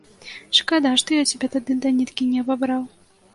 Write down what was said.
Шкада, што я цябе тады да ніткі не абабраў.